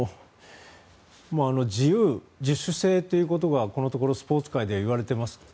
自由、自主性という言葉はこのところスポーツ界で言われています。